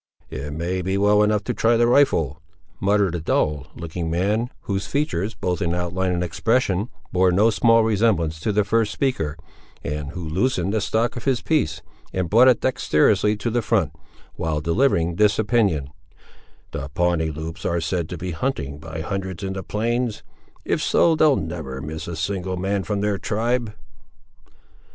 "It may be well enough, to try the rifle," muttered a dull looking man, whose features, both in outline and expression, bore no small resemblance to the first speaker, and who loosened the stock of his piece and brought it dexterously to the front, while delivering this opinion; "the Pawnee Loups are said to be hunting by hundreds in the plains; if so, they'll never miss a single man from their tribe."